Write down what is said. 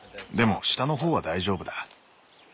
でも下の方は大丈夫だ。